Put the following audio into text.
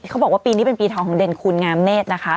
เขาบอกว่าปีนี้เป็นปีทองของเด่นคุณงามเนธนะคะ